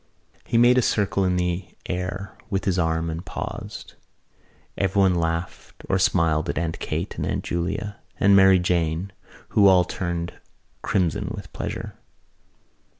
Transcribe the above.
He made a circle in the air with his arm and paused. Everyone laughed or smiled at Aunt Kate and Aunt Julia and Mary Jane who all turned crimson with pleasure.